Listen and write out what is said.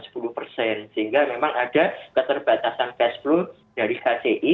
sehingga memang ada keterbatasan cash flow dari kci